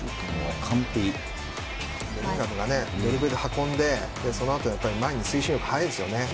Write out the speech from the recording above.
ベリンガムがドリブルを運んでそこで前の推進力が速いですよね。